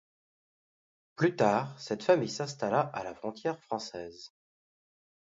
Plus tard, cette famille s'installa à la frontière française.